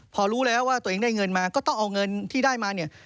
พอรู้แล้วว่าตัวเองได้เงินมาก็ต้องเอาเงินที่ได้มาเนี่ย